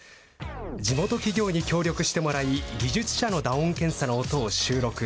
地元企業に協力してもらい、技術者の打音検査の音を収録。